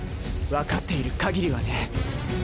わかっているかぎりはね。